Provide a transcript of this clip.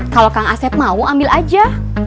kalo kang aset mau ambil aja